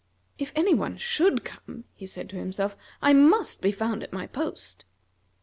"If any one should come," he said to himself, "I must be found at my post."